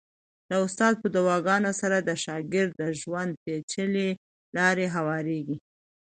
د استاد په دعاګانو سره د شاګرد د ژوند پېچلې لارې هوارېږي.